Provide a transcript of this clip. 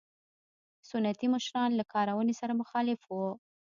سنتي مشران له کارونې سره مخالف وو.